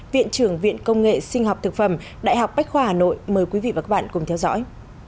viện trưởng viện công nghệ sinh học thực phẩm đại học bách khoa hà nội mời quý vị và các bạn cùng theo dõi